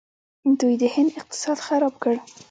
دوی د هند اقتصاد خراب کړ.